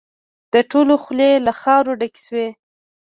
د ټولو خولې له خاورو ډکې شوې.